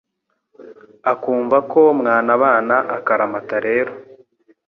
akumva ko mwanabana akaramata rero